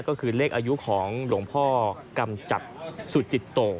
ก็คือเลขอายุของหลวงพ่อกำจัดสุจิตโต